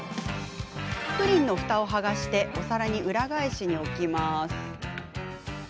プリンのふたを剥がしてお皿に裏返しに置きます。